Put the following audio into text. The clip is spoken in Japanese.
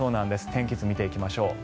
天気図見ていきましょう。